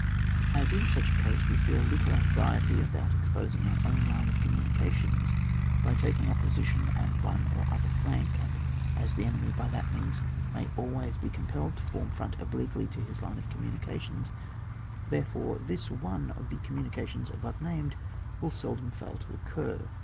As in such a case we feel little VOL, lip anxiety about exposing our own line of commimications, by taking up a position on one or other flank, and as the enemy by that means may always be com pelled to form fi'ont obliquely to his line of communications, therefore this one of the conditions above named will seldom fail to occur.